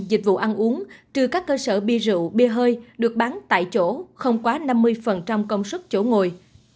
dịch vụ ăn uống trừ các cơ sở bia rượu bia hơi được bán tại chỗ không quá năm mươi công suất chỗ ngồi